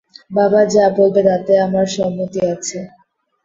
বাবা যা বলবে তাতে আমার সম্মতি আছে।